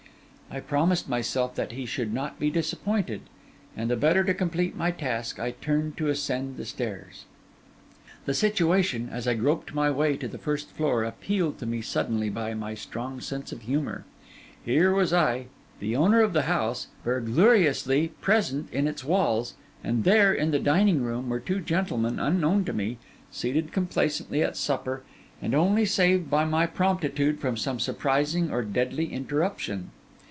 I promised myself that he should not be disappointed; and the better to complete my task, I turned to ascend the stairs. The situation, as I groped my way to the first floor, appealed to me suddenly by my strong sense of humour. Here was I, the owner of the house, burglariously present in its walls; and there, in the dining room, were two gentlemen, unknown to me, seated complacently at supper, and only saved by my promptitude from some surprising or deadly interruption.